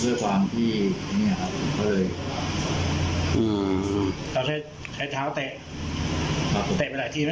แล้วก็เตะอีกทีเดียวทีเดียวอืมแล้วคิดไหมว่าเขาจะเจ็บหนักอะไรไหม